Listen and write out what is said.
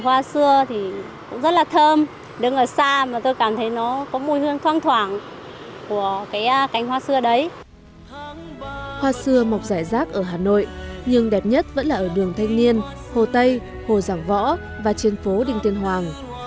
hoa xưa mọc rải rác ở hà nội nhưng đẹp nhất vẫn là ở đường thanh niên hồ tây hồ giảng võ và trên phố đình tiên hoàng